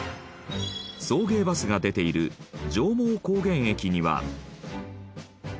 送迎バスが出ている上毛高原駅には。